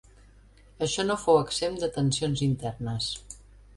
Això no fou exempt de tensions internes.